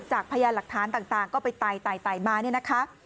จากพยานหลักฐานต่างก็ไปไต่มา